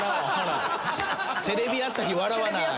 テレビ朝日笑わない。